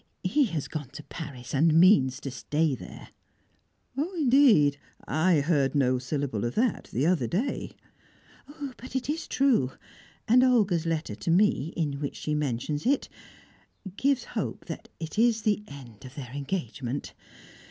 He has gone to Paris, and means to stay there." "Indeed! I heard no syllable of that the other day." "But it is true. And Olga's letter to me, in which she mentions it; gives hope that that is the end of their engagement.